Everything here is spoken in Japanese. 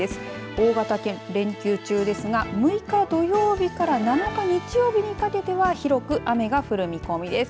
大型連休中ですが６日土曜日から７日日曜日にかけては広く雨が降る見込みです。